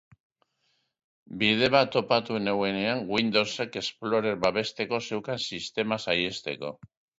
Bide bat topatu nuenean Windowsek Explorer babesteko zeukan sistema saihesteko.